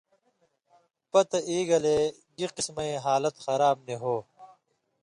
پتہۡ اِگلے گی قِسمَیں حالَت خراب نی ہو؛